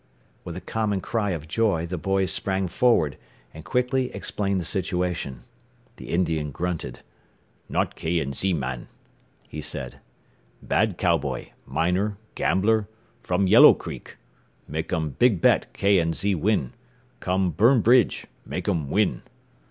With a common cry of joy the boys sprang forward, and quickly explained the situation. The Indian grunted. "Not K. & Z. man," he said. "Bad cowboy, miner, gambler, from Yellow Creek. Makeum big bet K. & Z. win, come burn bridge, makeum win.